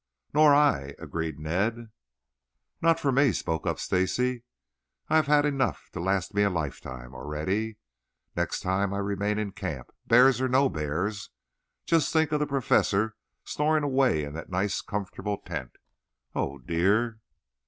"Nor I," agreed Ned. "Not for me," spoke up Stacy. "I have had enough to last me a lifetime already. Next time I remain in camp, bears or no bears. Just think of the Professor snoring away in that nice, comfortable tent. Oh, dear!"